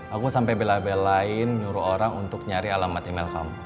aku sampai bela belain nyuruh orang untuk nyari alamat email kamu